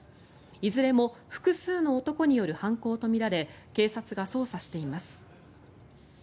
いずれも複数の男による犯行とみられ警察が捜査しています。